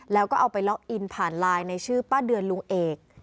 แล้วก็เอาไปล็อกอินผ่านไลน์ในชื่อป้าเดือนลุงเอก